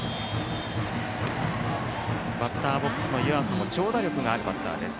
バッターボックスの湯浅も長打力があるバッターです。